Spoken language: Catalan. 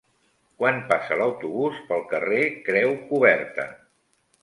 Quan passa l'autobús pel carrer Creu Coberta?